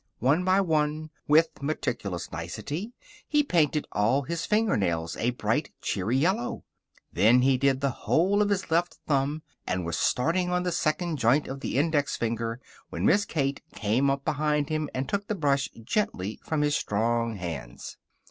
One by one, with meticulous nicety, he painted all his fingernails a bright and cheery yellow. Then he did the whole of his left thumb and was starting on the second joint of the index finger when Miss Kate came up behind him and took the brush gently from his strong hands.